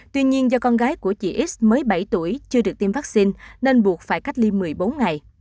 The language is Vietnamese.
tuy nhiên do con gái của chị x mới bảy tuổi chưa được tiêm vaccine nên buộc phải cách ly một mươi bốn ngày